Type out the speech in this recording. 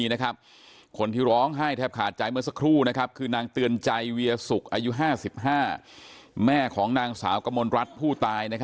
นางเตือนใจเวียศุกร์อายุ๕๕แม่ของนางสาวกัมมณรัฐผู้ตาย